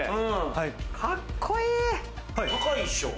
高いっしょ？